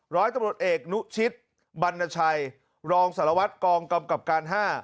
ร้อยตำรวจเอกนุชิตบรรณชัยรองสารวัตรกองกำกับการ๕